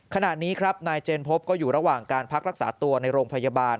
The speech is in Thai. ขณะนี้ครับนายเจนพบก็อยู่ระหว่างการพักรักษาตัวในโรงพยาบาล